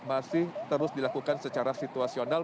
masih terus dilakukan secara situasional